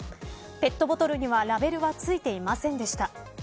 ペットボトルにはラベルがついていませんでした。